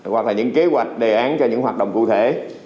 hoặc là những kế hoạch đề án cho những hoạt động cụ thể